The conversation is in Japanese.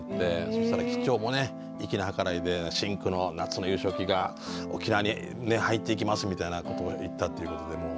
そしたら機長もね粋な計らいで「深紅の夏の優勝旗が沖縄に入っていきます」みたいなことを言ったっていうことで。